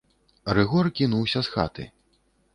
Рыгор кінуўся з хаты.